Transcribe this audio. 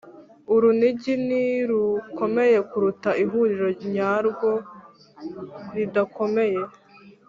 urunigi ntirukomeye kuruta ihuriro ryarwo ridakomeye